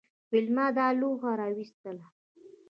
ویلما دا لوحه راویستله